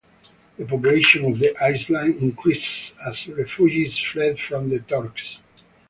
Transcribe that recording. The population of the island increased as refugees fled from the Turks.